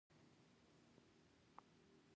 زرګونه زلميان به سږ کال د ښوونځي زدهکړې پای ته ورسوي.